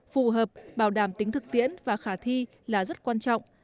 phù hợp bảo đảm tính thực tiễn và khả thi là rất quan trọng